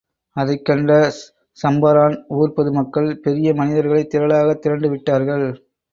அதைக் கண்ட சம்பரான் ஊர் பொதுமக்கள், பெரிய மனிதர்கள் திரளாகத் திரண்டு விட்டார்கள்.